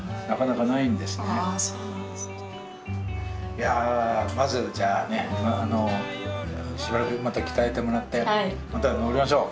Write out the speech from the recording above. いやまずじゃあねしばらくまた鍛えてもらってまた登りましょう。